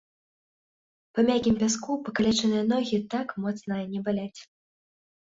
Па мяккім пяску пакалечаныя ногі так моцна не баляць.